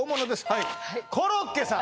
はいコロッケさん